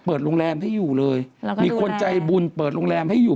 โรงแรมให้อยู่เลยมีคนใจบุญเปิดโรงแรมให้อยู่